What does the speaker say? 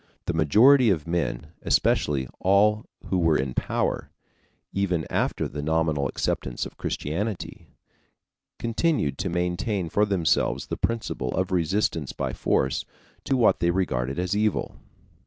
The majority of men, especially all who were in power, even after the nominal acceptance of Christianity, continued to maintain for themselves the principle of resistance by force to what they regarded as evil.